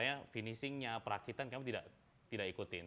finishingnya perakitan kami tidak ikutin